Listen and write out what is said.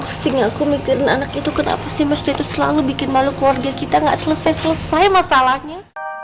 aduh mas pusing aku mikirin anak itu kenapa sih mas dia itu selalu bikin malu keluarga kita gak selesai selesai masalahnya